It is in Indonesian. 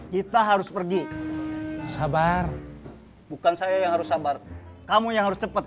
kita harus pergi sabar bukan saya yang harus sabar kamu yang harus cepat